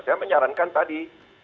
saya menyarankan tadi